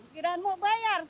jiran mau bayar